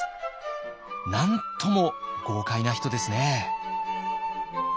なんとも豪快な人ですね。